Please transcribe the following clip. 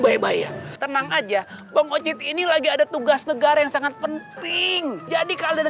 bayar bayar tenang aja pengojit ini lagi ada tugas negara yang sangat penting jadi kalian